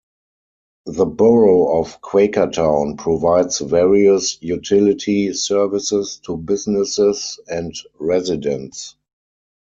The borough of Quakertown provides various utility services to businesses and residents.